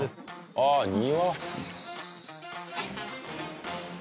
ああ庭。